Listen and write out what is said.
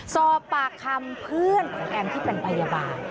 สอบปากคำเพื่อนของแอมที่เป็นพยาบาล